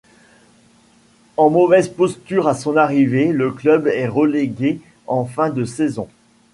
En mauvaise posture à son arrivée, le club est relégué en fin de saison.